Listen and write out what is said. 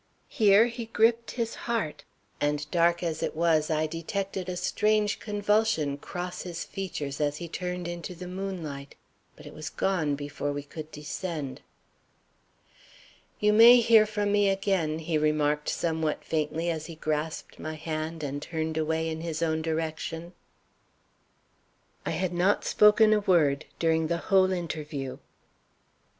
Here he gripped his heart; and, dark as it was, I detected a strange convulsion cross his features as he turned into the moonlight. But it was gone before we could descend. "You may hear from me again," he remarked somewhat faintly as he grasped my hand, and turned away in his own direction. I had not spoken a word during the whole interview.